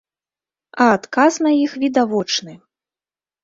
А адказ на іх відавочны.